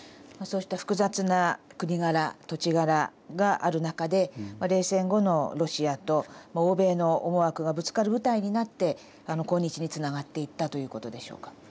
そうした複雑な国柄土地柄がある中で冷戦後のロシアと欧米の思惑がぶつかる舞台になって今日につながっていったという事でしょうか。